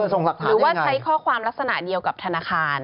หรือว่าใช้ข้อความลักษณะเดียวกับธนาคาร